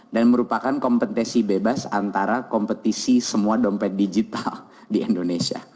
dan merupakan kompetisi bebas antara kompetisi semua dompet digital di indonesia